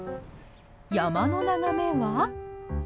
山の眺めは。